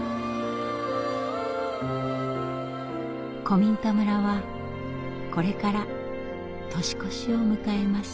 古民家村はこれから年越しを迎えます。